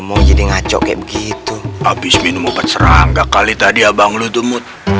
mau jadi ngaco kayak begitu habis minum obat serangga kali tadi abang lu demut